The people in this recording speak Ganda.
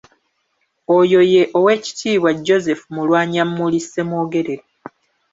Oyo ye Oweekitiibwa Joseph Mulwanyammuli Ssemwogerere.